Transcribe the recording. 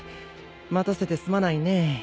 待たせてすまないね。